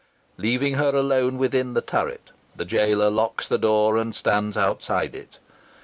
Leaving her alone within the turret, the jailer locks the door and stands outside it.